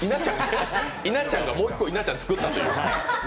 稲ちゃんがもう１個、稲ちゃんを作ったと。